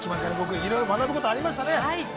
いろいろ学ぶことがありましたね。